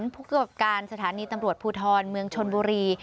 ผู้กำกับการสถานีตำรวจภูทรเมืองชนบุรี